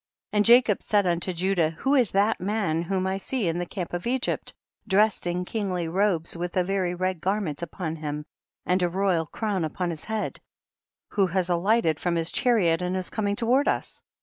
13. And Jacob said unto Judah, who is that man whom I see in the camp of Egypt dressed in kingly robes with a very red garment upon him and a royal crown upon his head, who has alighted from his chariot and is coming toward us